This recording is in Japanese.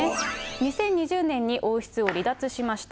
２０２０年に王室を離脱しました。